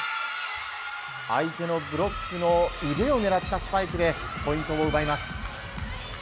相手のブロックの腕を狙ったスパイクでポイントを奪います。